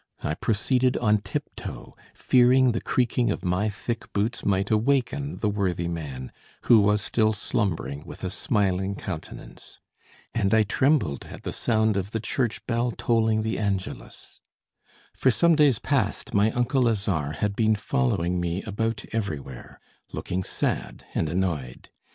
I proceeded on tip toe, fearing the creaking of my thick boots might awaken the worthy man, who was still slumbering with a smiling countenance. And I trembled at the sound of the church bell tolling the Angelus. For some days past my uncle Lazare had been following me about everywhere, looking sad and annoyed.